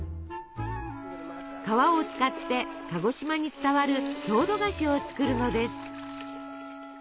皮を使って鹿児島に伝わる郷土菓子を作るのです。